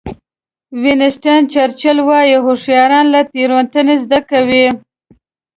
وینسټن چرچل وایي هوښیاران له تېروتنو زده کوي.